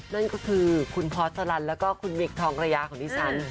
นั่นก็คือคุณพอสลันแล้วก็คุณวิคทองระยาของดิฉัน